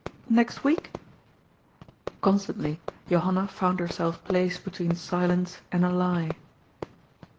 " Next week ?" Constantly, Johanna found herself placed between si lence and a lie.